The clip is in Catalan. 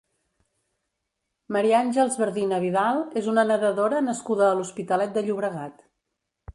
Maria Àngels Bardina Vidal és una nedadora nascuda a l'Hospitalet de Llobregat.